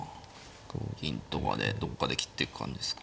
同銀とかでどっかで切っていく感じですか。